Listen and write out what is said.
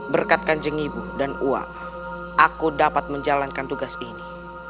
berkat kanjeng ibu dan ua aku dapat menjalankan tugas ini